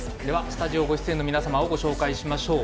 スタジオご出演の皆様をご紹介しましょう。